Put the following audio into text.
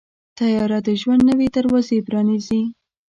طیاره د ژوند نوې دروازې پرانیزي.